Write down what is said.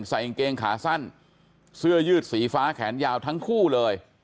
กางเกงขาสั้นเสื้อยืดสีฟ้าแขนยาวทั้งคู่เลย